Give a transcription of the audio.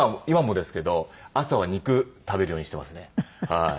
今もですけど朝は肉食べるようにしてますね。